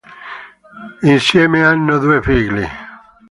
Insieme hanno due figli.